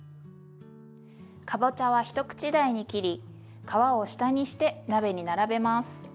かぼちゃは一口大に切り皮を下にして鍋に並べます。